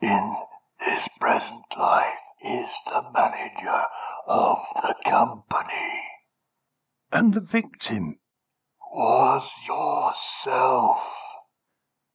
"In this present life is the Manager of the company." "And the victim?" "Was yourself!"